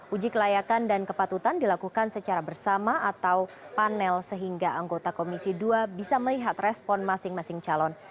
uji kelayakan dan kepatutan dilakukan secara bersama atau panel sehingga anggota komisi dua bisa melihat respon masing masing calon